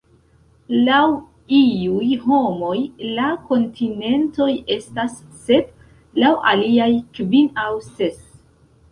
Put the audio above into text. Laŭ iuj homoj la kontinentoj estas sep, laŭ aliaj kvin aŭ ses.